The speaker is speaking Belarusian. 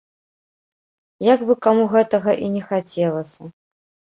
Як бы каму гэтага і не хацелася.